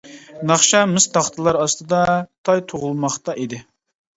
ناخشا مىس تاختىلار ئاستىدا تاي تۇغۇلماقتا ئىدى.